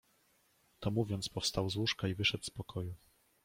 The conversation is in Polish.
To mówiąc powstał z łóżka i wyszedł z pokoju